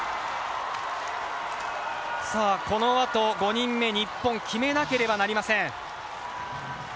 このあと、５人目、日本決めなければなりません。